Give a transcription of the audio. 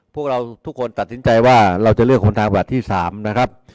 พวกเราทุกคนตัดสินใจว่าเราจะเลือกคนทางแบบที่๓นะครับ